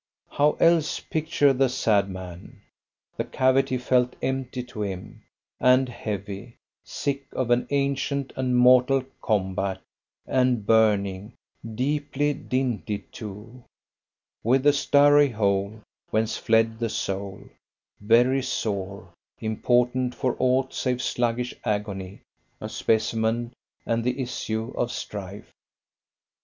How else picture the sad man? the cavity felt empty to him, and heavy; sick of an ancient and mortal combat, and burning; deeply dinted too: With the starry hole Whence fled the soul: very sore; important for aught save sluggish agony; a specimen and the issue of strife.